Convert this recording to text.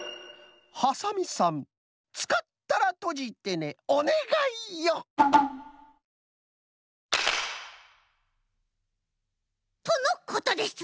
「ハサミさんつかったらとじてねおねがいよ」。とのことです。